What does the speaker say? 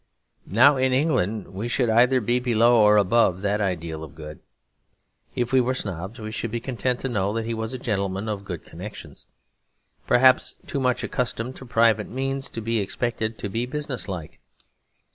Now in England we should either be below or above that ideal of good. If we were snobs, we should be content to know that he was a gentleman of good connections, perhaps too much accustomed to private means to be expected to be businesslike.